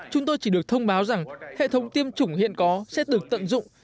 chúng tôi chỉ được thông báo rằng hệ thống tiêm chủng hiện có sẽ được tận dụng